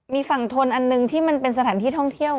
มีฝั่งทนอันหนึ่งที่มันเป็นสถานที่ท่องเที่ยว